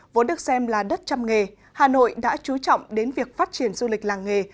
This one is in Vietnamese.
vốn được xem là đất chăm nghề hà nội đã chú trọng đến việc phát triển du lịch làng nghề